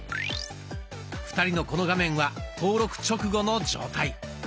２人のこの画面は登録直後の状態。